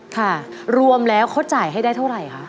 ค่ะรวมแล้วเขาจ่ายให้ได้เท่าไหร่คะ